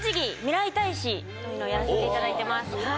私は。をやらせていただいてます。